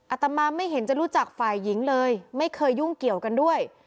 ตมาไม่เห็นจะรู้จักฝ่ายหญิงเลยไม่เคยยุ่งเกี่ยวกันด้วย